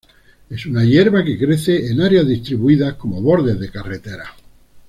Es una hierba que crece en áreas distribuidas como bordes de carreteras.